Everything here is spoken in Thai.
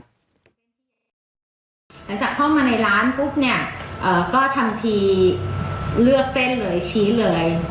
หลังจากเข้ามาในร้านปุ๊บเนี่ยก็ทำทีเลือกเส้นเลยชี้เลย